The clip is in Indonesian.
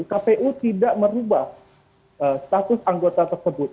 kpu tidak merubah status anggota tersebut